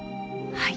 はい。